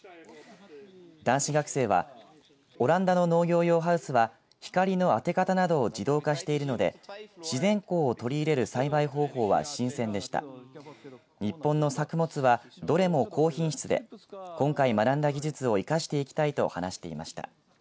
男子学生はオランダの農業用ハウスは光の当て方などを自動化しているので自然光を取り入れる栽培方法は新鮮でした日本の作物はどれも高品質で今回学んだ技術を生かしていきたいと話していました。